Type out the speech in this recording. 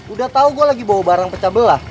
udah tau gue lagi bawa barang pecah belah